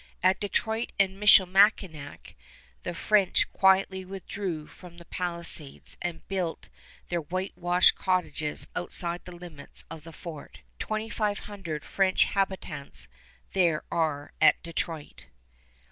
At Detroit and Michilimackinac the French quietly withdraw from the palisades and build their white washed cottages outside the limits of the fort 2500 French habitants there are at Detroit.